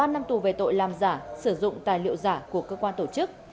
ba năm tù về tội làm giả sử dụng tài liệu giả của cơ quan tổ chức